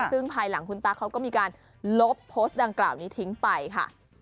ซึ่งภายหลังคุณตั๊กเขาก็มีการลบโพสต์ดังกล่าวนี้ทิ้งไปค่ะ